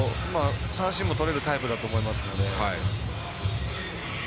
三振もとれるタイプだと思うので。